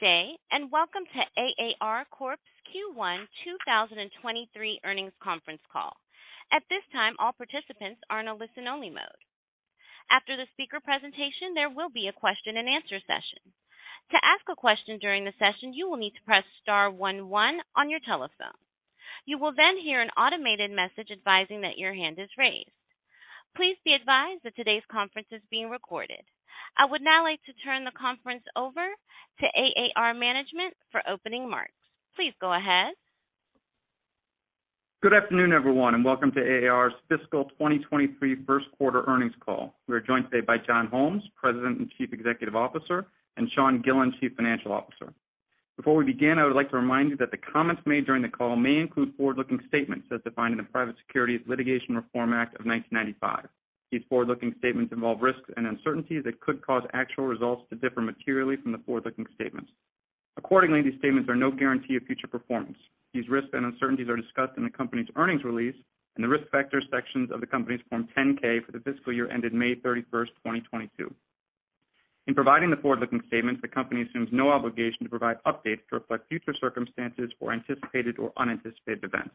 Good day, and welcome to AAR Corp's Q1 2023 earnings conference call. At this time, all participants are in a listen-only mode. After the speaker presentation, there will be a question-and-answer session. To ask a question during the session, you will need to press star one one on your telephone. You will then hear an automated message advising that your hand is raised. Please be advised that today's conference is being recorded. I would now like to turn the conference over to AAR management for opening remarks. Please go ahead. Good afternoon, everyone, and welcome to AAR's fiscal 2023 first quarter earnings call. We are joined today by John Holmes, President and Chief Executive Officer, and Sean Gillen, Chief Financial Officer. Before we begin, I would like to remind you that the comments made during the call may include forward-looking statements as defined in the Private Securities Litigation Reform Act of 1995. These forward-looking statements involve risks and uncertainties that could cause actual results to differ materially from the forward-looking statements. Accordingly, these statements are no guarantee of future performance. These risks and uncertainties are discussed in the company's earnings release and the Risk Factors sections of the company's Form 10-K for the fiscal year ended May 31st, 2022. In providing the forward-looking statements, the company assumes no obligation to provide updates to reflect future circumstances or anticipated or unanticipated events.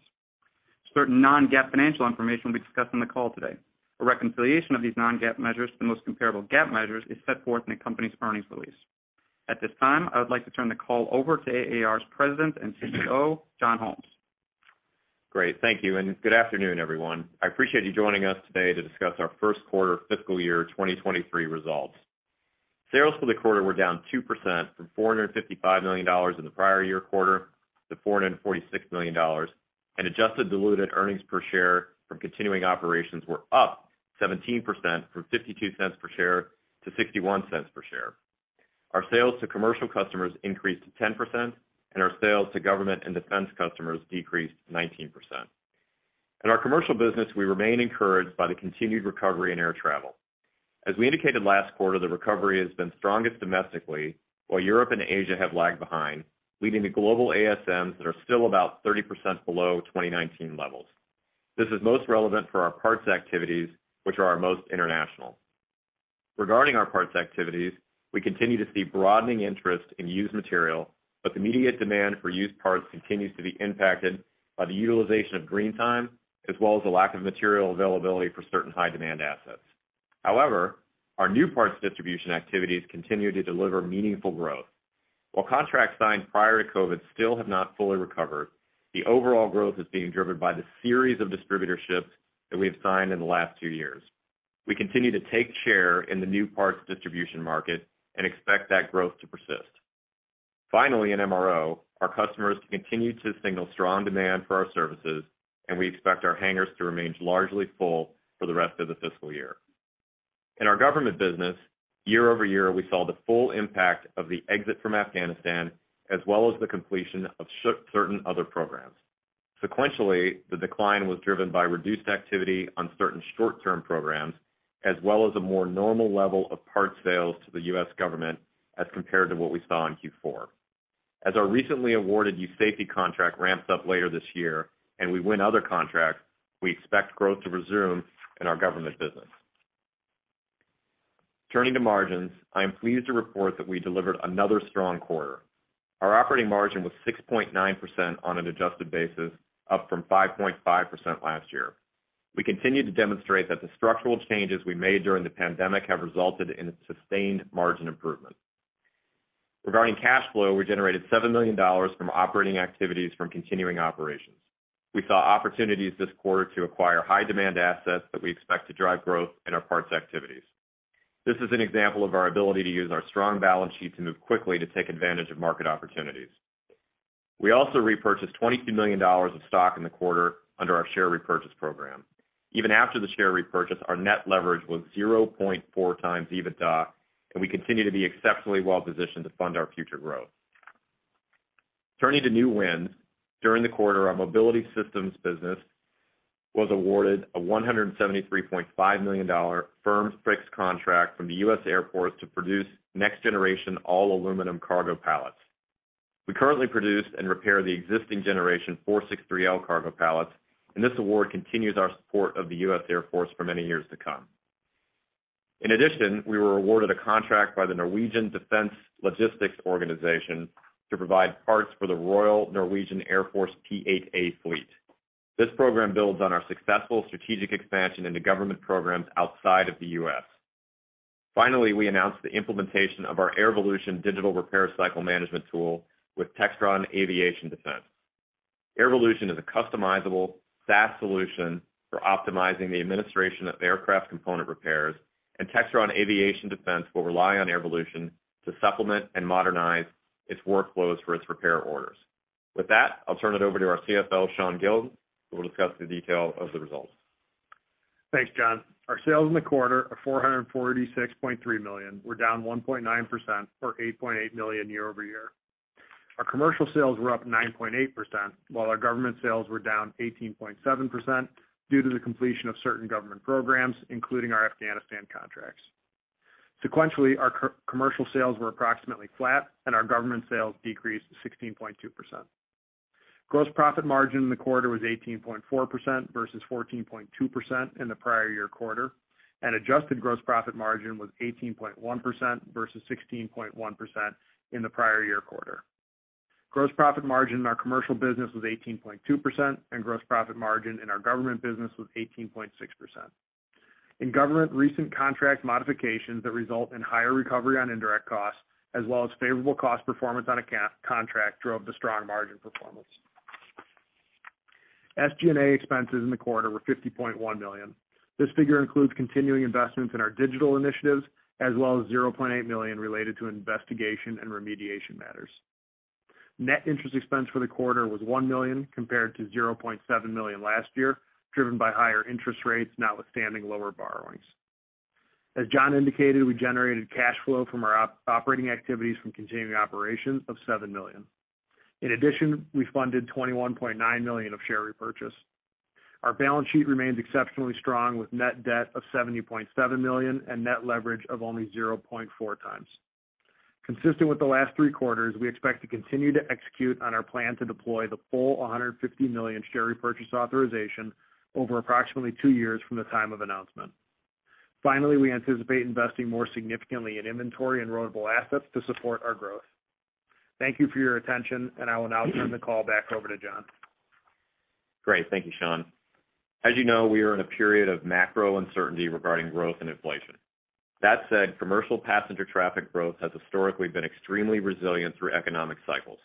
Certain non-GAAP financial information will be discussed on the call today. A reconciliation of these non-GAAP measures to the most comparable GAAP measures is set forth in the company's earnings release. At this time, I would like to turn the call over to AAR's President and CEO, John Holmes. Great. Thank you, and good afternoon, everyone. I appreciate you joining us today to discuss our first quarter fiscal year 2023 results. Sales for the quarter were down 2% from $455 million in the prior year quarter to $446 million. Adjusted diluted earnings per share from continuing operations were up 17% from $0.52 per share to $0.61 per share. Our sales to commercial customers increased 10%, and our sales to government and defense customers decreased 19%. In our commercial business, we remain encouraged by the continued recovery in air travel. As we indicated last quarter, the recovery has been strongest domestically, while Europe and Asia have lagged behind, leading to global ASMs that are still about 30% below 2019 levels. This is most relevant for our parts activities, which are our most international. Regarding our parts activities, we continue to see broadening interest in used material, but the immediate demand for used parts continues to be impacted by the utilization of green time as well as the lack of material availability for certain high-demand assets. However, our new parts distribution activities continue to deliver meaningful growth. While contracts signed prior to COVID still have not fully recovered, the overall growth is being driven by the series of distributorships that we have signed in the last two years. We continue to take share in the new parts distribution market and expect that growth to persist. Finally, in MRO, our customers continue to signal strong demand for our services, and we expect our hangars to remain largely full for the rest of the fiscal year. In our government business, year-over-year, we saw the full impact of the exit from Afghanistan as well as the completion of certain other programs. Sequentially, the decline was driven by reduced activity on certain short-term programs, as well as a more normal level of parts sales to the U.S. government as compared to what we saw in Q4. As our recently awarded U.S. Navy contract ramps up later this year, and we win other contracts, we expect growth to resume in our government business. Turning to margins, I am pleased to report that we delivered another strong quarter. Our operating margin was 6.9% on an adjusted basis, up from 5.5% last year. We continue to demonstrate that the structural changes we made during the pandemic have resulted in a sustained margin improvement. Regarding cash flow, we generated $7 million from operating activities from continuing operations. We saw opportunities this quarter to acquire high-demand assets that we expect to drive growth in our parts activities. This is an example of our ability to use our strong balance sheet to move quickly to take advantage of market opportunities. We also repurchased $22 million of stock in the quarter under our share repurchase program. Even after the share repurchase, our net leverage was 0.4 times EBITDA, and we continue to be exceptionally well positioned to fund our future growth. Turning to new wins, during the quarter, our mobility systems business was awarded a $173.5 million firm fixed contract from the U.S. Air Force to produce next-generation all-aluminum cargo pallets. We currently produce and repair the existing generation 463L cargo pallets, and this award continues our support of the U.S. Air Force for many years to come. In addition, we were awarded a contract by the Norwegian Defence Logistics Organisation to provide parts for the Royal Norwegian Air Force P-8A fleet. This program builds on our successful strategic expansion into government programs outside of the US. Finally, we announced the implementation of our Airvolution digital repair cycle management tool with Textron Aviation Defense. Airvolution is a customizable SaaS solution for optimizing the administration of aircraft component repairs, and Textron Aviation Defense will rely on Airvolution to supplement and modernize its workflows for its repair orders. With that, I'll turn it over to our CFO, Sean Gillen, who will discuss the detail of the results. Thanks, John. Our sales in the quarter of $446.3 million were down 1.9% or $8.8 million year-over-year. Our commercial sales were up 9.8%, while our government sales were down 18.7% due to the completion of certain government programs, including our Afghanistan contracts. Sequentially, our commercial sales were approximately flat, and our government sales decreased 16.2%. Gross profit margin in the quarter was 18.4% versus 14.2% in the prior year quarter, and adjusted gross profit margin was 18.1% versus 16.1% in the prior year quarter. Gross profit margin in our commercial business was 18.2%, and gross profit margin in our government business was 18.6%. In government, recent contract modifications that result in higher recovery on indirect costs as well as favorable cost performance on contract drove the strong margin performance. SG&A expenses in the quarter were $50.1 million. This figure includes continuing investments in our digital initiatives as well as $0.8 million related to investigation and remediation matters. Net interest expense for the quarter was $1 million compared to $0.7 million last year, driven by higher interest rates notwithstanding lower borrowings. As John indicated, we generated cash flow from our operating activities from continuing operations of $7 million. In addition, we funded $21.9 million of share repurchase. Our balance sheet remains exceptionally strong with net debt of $70.7 million and net leverage of only 0.4x. Consistent with the last three quarters, we expect to continue to execute on our plan to deploy the full $150 million share repurchase authorization over approximately 2 years from the time of announcement. Finally, we anticipate investing more significantly in inventory and renewable assets to support our growth. Thank you for your attention, and I will now turn the call back over to John. Great. Thank you, Sean. As you know, we are in a period of macro uncertainty regarding growth and inflation. That said, commercial passenger traffic growth has historically been extremely resilient through economic cycles.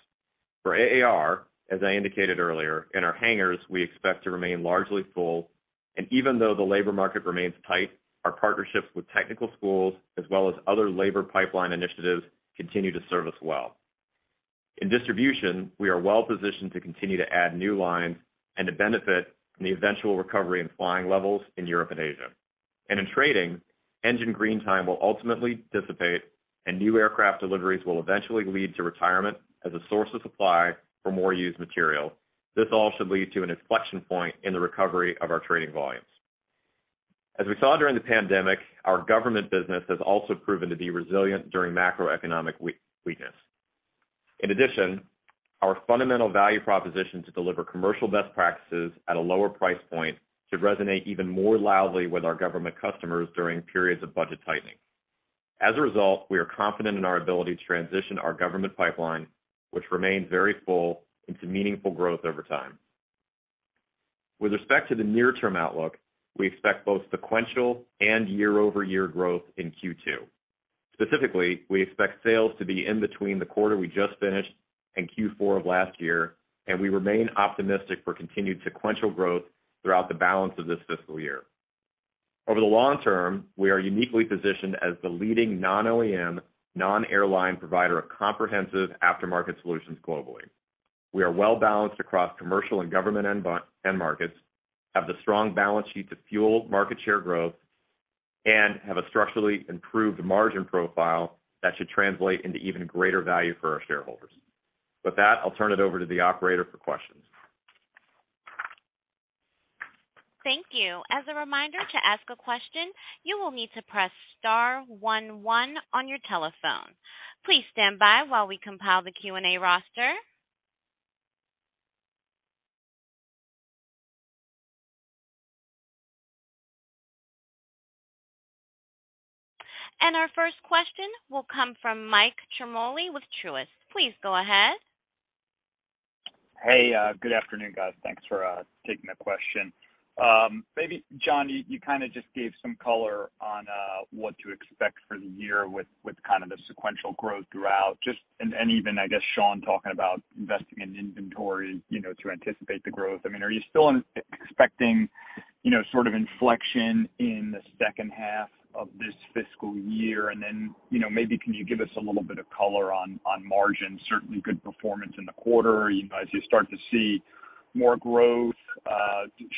For AAR, as I indicated earlier, in our hangars, we expect to remain largely full, and even though the labor market remains tight, our partnerships with technical schools as well as other labor pipeline initiatives continue to serve us well. In distribution, we are well positioned to continue to add new lines and to benefit from the eventual recovery in flying levels in Europe and Asia. In trading, engine green time will ultimately dissipate, and new aircraft deliveries will eventually lead to retirement as a source of supply for more used material. This all should lead to an inflection point in the recovery of our trading volumes. As we saw during the pandemic, our government business has also proven to be resilient during macroeconomic weakness. In addition, our fundamental value proposition to deliver commercial best practices at a lower price point should resonate even more loudly with our government customers during periods of budget tightening. As a result, we are confident in our ability to transition our government pipeline, which remains very full, into meaningful growth over time. With respect to the near-term outlook, we expect both sequential and year-over-year growth in Q2. Specifically, we expect sales to be in between the quarter we just finished and Q4 of last year, and we remain optimistic for continued sequential growth throughout the balance of this fiscal year. Over the long term, we are uniquely positioned as the leading non-OEM, non-airline provider of comprehensive aftermarket solutions globally. We are well balanced across commercial and government end markets, have the strong balance sheet to fuel market share growth, and have a structurally improved margin profile that should translate into even greater value for our shareholders. With that, I'll turn it over to the operator for questions. Thank you. As a reminder, to ask a question, you will need to press star one one on your telephone. Please stand by while we compile the Q&A roster. Our first question will come from Mike Ciarmoli with Truist. Please go ahead. Hey, good afternoon, guys. Thanks for taking the question. Maybe John, you kind of just gave some color on what to expect for the year with kind of the sequential growth throughout just. Even, I guess, Sean talking about investing in inventory, you know, to anticipate the growth. I mean, are you still expecting, you know, sort of inflection in the second half of this fiscal year? Then, you know, maybe can you give us a little bit of color on margin? Certainly good performance in the quarter. You know, as you start to see more growth,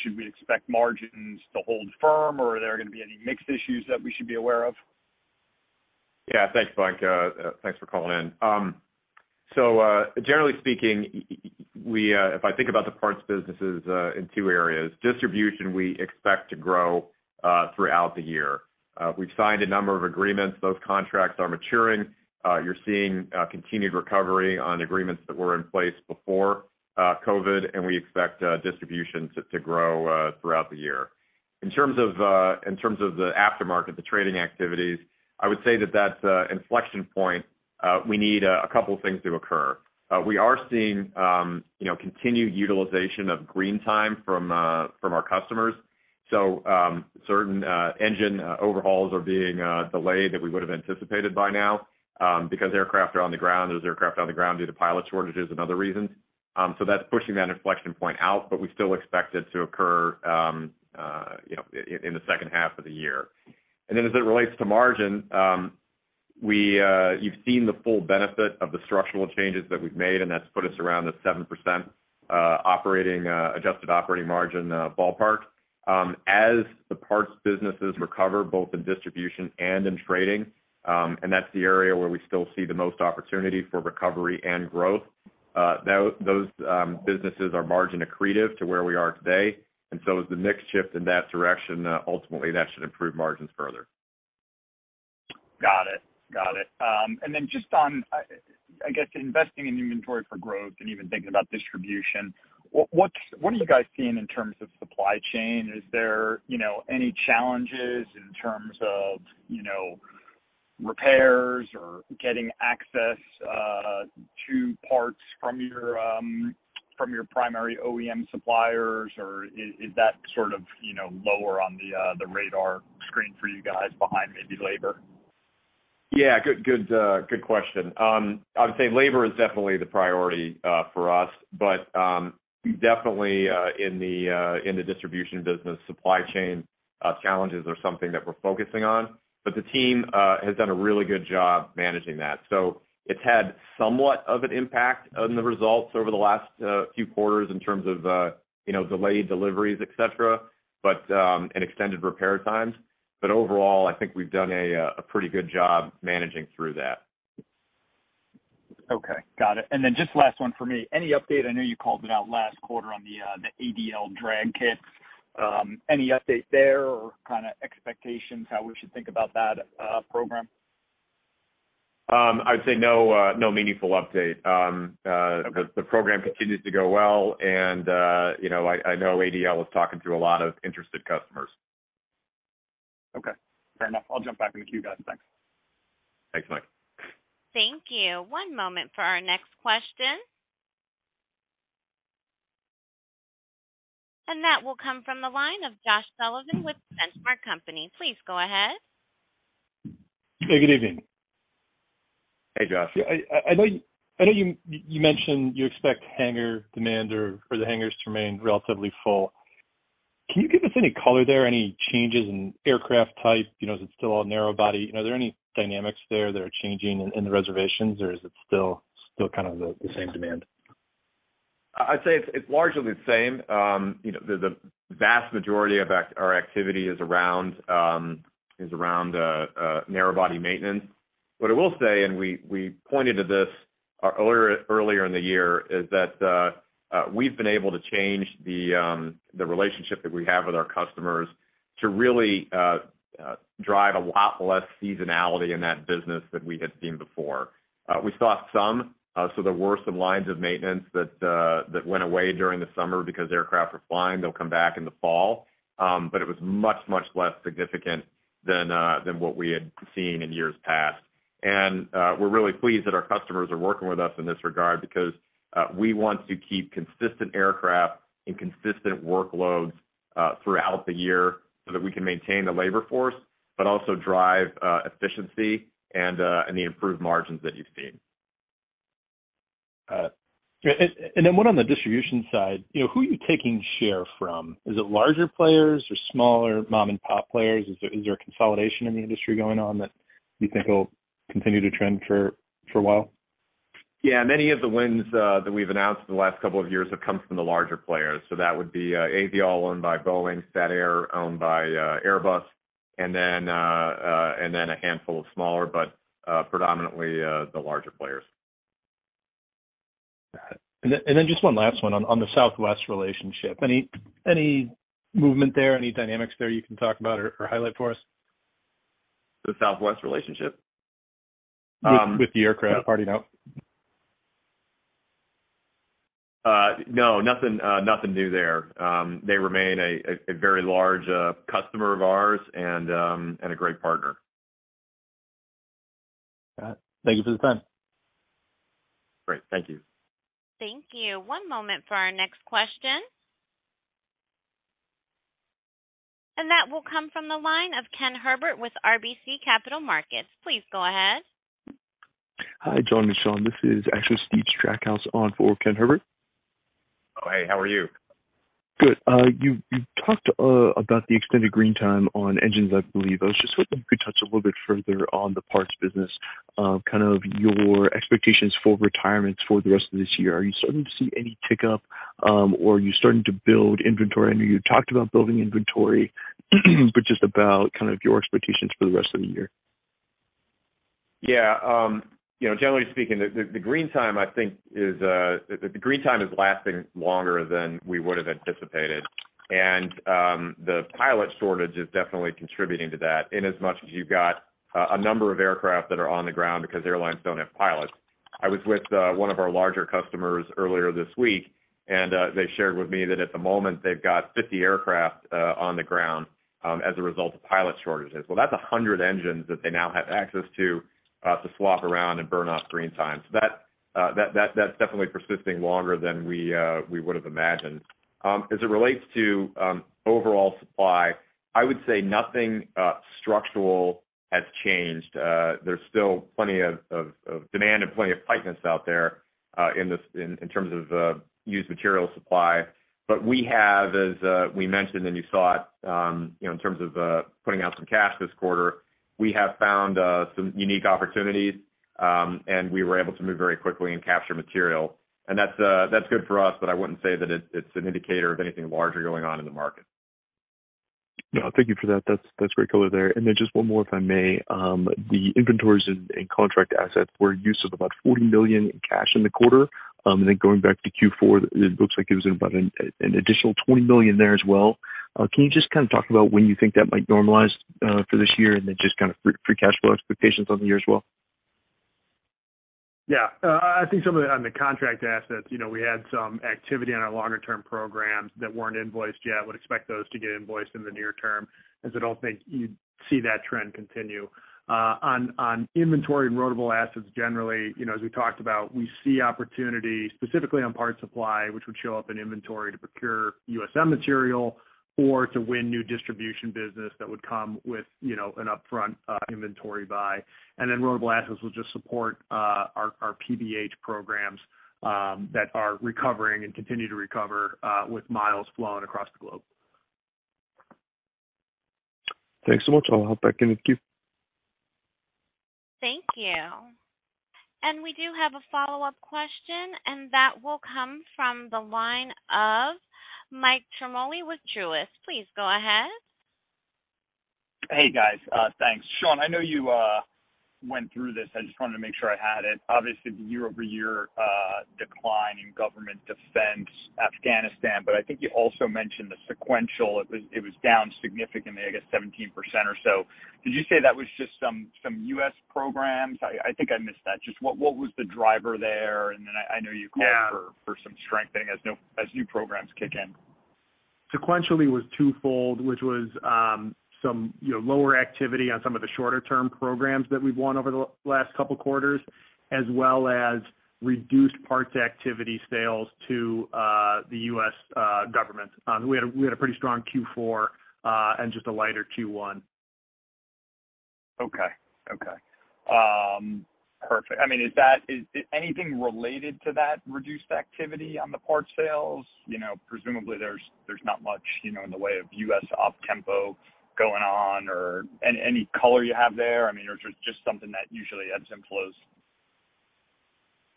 should we expect margins to hold firm, or are there gonna be any mixed issues that we should be aware of? Yeah. Thanks, Mike. Thanks for calling in. Generally speaking, we, if I think about the parts businesses in two areas, distribution, we expect to grow throughout the year. We've signed a number of agreements. Those contracts are maturing. You're seeing continued recovery on agreements that were in place before COVID, and we expect distribution to grow throughout the year. In terms of the aftermarket, the trading activities, I would say that that's a inflection point, we need a couple of things to occur. We are seeing you know continued utilization of green time from our customers. Certain engine overhauls are being delayed that we would have anticipated by now because aircraft are on the ground. There's aircraft on the ground due to pilot shortages and other reasons. That's pushing that inflection point out, but we still expect it to occur, you know, in the second half of the year. As it relates to margin, you've seen the full benefit of the structural changes that we've made, and that's put us around the 7% operating adjusted operating margin ballpark. As the parts businesses recover both in distribution and in trading, and that's the area where we still see the most opportunity for recovery and growth, those businesses are margin accretive to where we are today. As the mix shift in that direction, ultimately that should improve margins further. Got it. Just on, I guess, investing in inventory for growth and even thinking about distribution, what are you guys seeing in terms of supply chain? Is there, you know, any challenges in terms of, you know, repairs or getting access to parts from your primary OEM suppliers? Or is that sort of, you know, lower on the radar screen for you guys behind maybe labor? Yeah. Good question. I would say labor is definitely the priority for us. Definitely, in the distribution business, supply chain challenges are something that we're focusing on. The team has done a really good job managing that. It's had somewhat of an impact on the results over the last few quarters in terms of, you know, delayed deliveries, et cetera, and extended repair times. Overall, I think we've done a pretty good job managing through that. Okay. Got it. Just last one for me. Any update? I know you called it out last quarter on the ADL drag kits. Any update there or kinda expectations how we should think about that program? I'd say no meaningful update. Okay. The program continues to go well, and you know, I know ADL is talking through a lot of interested customers. Okay. Fair enough. I'll jump back in the queue, guys. Thanks. Thanks, Mike. Thank you. One moment for our next question. That will come from the line of Josh Sullivan with Benchmark Company. Please go ahead. Yeah, good evening. Hey, Josh. Yeah. I know you mentioned you expect hangar demand or the hangars to remain relatively full. Can you give us any color there? Any changes in aircraft type? You know, is it still all narrow body? You know, are there any dynamics there that are changing in the reservations, or is it still kind of the same demand? I'd say it's largely the same. You know, the vast majority of our activity is around narrow body maintenance. What I will say, and we pointed to this earlier in the year, is that we've been able to change the relationship that we have with our customers to really drive a lot less seasonality in that business than we had seen before. We saw some, so there were some lines of maintenance that went away during the summer because aircraft were flying. They'll come back in the fall. It was much less significant than what we had seen in years past. We're really pleased that our customers are working with us in this regard because we want to keep consistent aircraft and consistent workloads throughout the year so that we can maintain the labor force but also drive efficiency and the improved margins that you've seen. Yeah. What on the distribution side, you know, who are you taking share from? Is it larger players or smaller mom-and-pop players? Is there consolidation in the industry going on that you think will continue to trend for a while? Yeah. Many of the wins that we've announced in the last couple of years have come from the larger players. That would be Aviall owned by Boeing, Satair owned by Airbus, and then a handful of smaller but predominantly the larger players. Got it. Just one last one on the Southwest relationship. Any movement there? Any dynamics there you can talk about or highlight for us? The Southwest relationship? With the aircraft parking out. No. Nothing new there. They remain a very large customer of ours and a great partner. Got it. Thank you for the time. Great. Thank you. Thank you. One moment for our next question. That will come from the line of Ken Herbert with RBC Capital Markets. Please go ahead. Hi, John and Sean. This is actually Steve Strackhouse on for Ken Herbert. Oh, hey. How are you? Good. You talked about the extended green time on engines, I believe. I was just hoping you could touch a little bit further on the parts business, kind of your expectations for retirements for the rest of this year. Are you starting to see any tick-up, or are you starting to build inventory? I know you talked about building inventory, but just about kind of your expectations for the rest of the year. Yeah. You know, generally speaking, the green time, I think, is lasting longer than we would have anticipated. The pilot shortage is definitely contributing to that inasmuch as you've got a number of aircraft that are on the ground because airlines don't have pilots. I was with one of our larger customers earlier this week, and they shared with me that at the moment they've got 50 aircraft on the ground as a result of pilot shortages. Well, that's 100 engines that they now have access to to swap around and burn off green time. That's definitely persisting longer than we would have imagined. As it relates to overall supply, I would say nothing structural has changed. There's still plenty of demand and plenty of tightness out there in terms of used material supply. We have, as we mentioned and you saw it, you know, in terms of putting out some cash this quarter, found some unique opportunities and were able to move very quickly and capture material. That's good for us, but I wouldn't say that it's an indicator of anything larger going on in the market. No, thank you for that. That's great color there. Just one more, if I may. The inventories and contract assets were a use of about $40 million in cash in the quarter. Going back to Q4, it looks like it was about an additional $20 million there as well. Can you just kind of talk about when you think that might normalize, for this year and then just kind of free cash flow expectations on the year as well? I think on the contract assets, you know, we had some activity on our longer term programs that weren't invoiced yet. Would expect those to get invoiced in the near term, as I don't think you'd see that trend continue. On inventory and rotable assets, generally, you know, as we talked about, we see opportunity specifically on parts supply, which would show up in inventory to procure USM material or to win new distribution business that would come with, you know, an upfront inventory buy. Then rotable assets will just support our PBH programs that are recovering and continue to recover with miles flown across the globe. Thanks so much. I'll hop back in the queue. Thank you. We do have a follow-up question, and that will come from the line of Mike Ciarmoli with Truist. Please go ahead. Hey, guys. Thanks. Sean, I know you went through this. I just wanted to make sure I had it. Obviously, the year-over-year decline in government defense, Afghanistan, but I think you also mentioned the sequential. It was down significantly, I guess 17% or so. Did you say that was just some U.S. programs? I think I missed that. Just what was the driver there? I know you called for- Yeah. -for some strengthening as new programs kick in. Sequentially was twofold, which was some, you know, lower activity on some of the shorter term programs that we've won over the last couple quarters, as well as reduced parts activity sales to the U.S. government. We had a pretty strong Q4 and just a lighter Q1. Okay. Perfect. I mean, is anything related to that reduced activity on the parts sales? You know, presumably there's not much, you know, in the way of U.S. op tempo going on or any color you have there? I mean, or just something that usually ebbs and flows.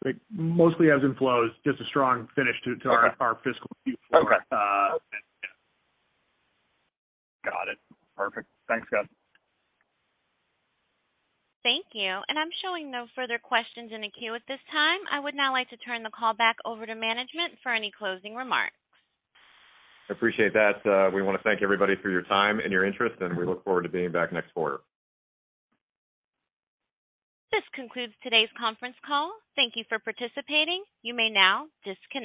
It mostly ebbs and flows. Just a strong finish to our- Okay. our fiscal Q4. Okay. Yeah. Got it. Perfect. Thanks, guys. Thank you. I'm showing no further questions in the queue at this time. I would now like to turn the call back over to management for any closing remarks. Appreciate that. We wanna thank everybody for your time and your interest, and we look forward to being back next quarter. This concludes today's conference call. Thank you for participating. You may now disconnect.